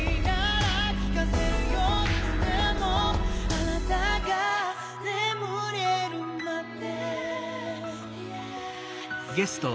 「あなたが眠れるまで」